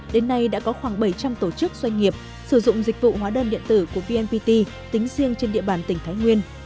đến nay đã có khoảng bảy trăm linh tổ chức doanh nghiệp sử dụng dịch vụ hóa đơn điện tử của vnpt tính riêng trên địa bàn tỉnh thái nguyên